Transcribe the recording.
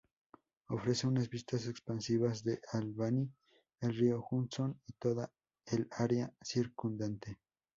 Ofrece unas vistas expansivas de Albany, el río Hudson, y todo el área circundante.